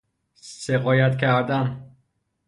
سقایت کردن